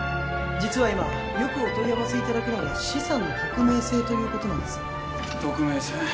実は今よくお問い合わせいただくのが資産の匿名性ということなんです匿名性？